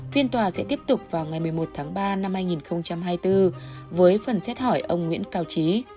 phiên tòa sẽ tiếp tục vào ngày một mươi một tháng ba năm hai nghìn hai mươi bốn với phần xét hỏi ông nguyễn cao trí